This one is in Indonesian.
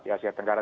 di asia tenggara